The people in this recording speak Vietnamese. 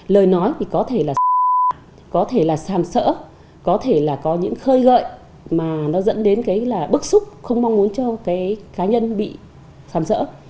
lời nói thì có thể là có thể là xàm sỡ có thể là có những khơi gợi mà nó dẫn đến cái là bức xúc không mong muốn cho cái cá nhân bị xàm sỡ